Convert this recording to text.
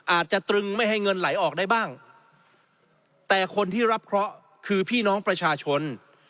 ตรึงไม่ให้เงินไหลออกได้บ้างแต่คนที่รับเคราะห์คือพี่น้องประชาชน